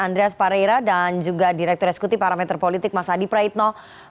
andreas pareira dan juga direktur eksekutif parameter politik mas adi praitno